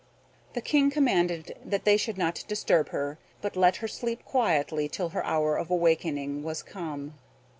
The King commanded that they should not disturb her, but let her sleep quietly till her hour of awaking was come.